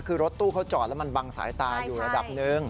คือรถตู้เขาจอดแล้วมันบังสายตาอยู่ระดับหนึ่ง